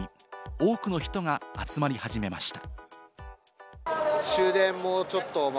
多くの人が集まり始めました。